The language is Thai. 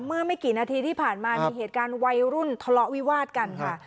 เมื่อไม่กี่นาทีที่ผ่านมามีเหตุการณ์วัยรุ่นทะเลาะวิวาดกันค่ะ